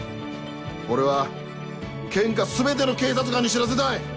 俺は県下全ての警察官に知らせたい！